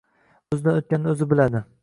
O`zidan o`tganini o`zi biladi